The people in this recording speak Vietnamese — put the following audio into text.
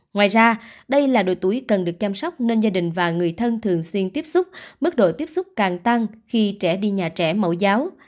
ngoài ra đây là độ tuổi cần được chăm sóc nên gia đình và người thân thường xuyên tiếp xúc mức độ tiếp xúc càng tăng khi trẻ đi nhà trẻ mẫu giáo